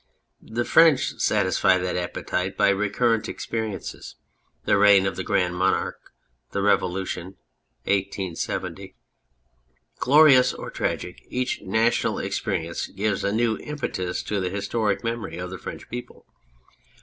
The French satisfy that appetite by recur rent experiences : the reign of the Grand Monarque, the Revolution, 1870. Glorious or tragic, each national experience gives a new impetus to the historic memory of the French people.